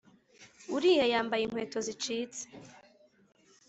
Uriya yambaye inkweto zicitse